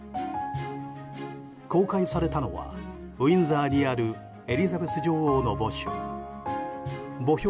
公開されたのはウィンザーにあるエリザベス女王の墓所。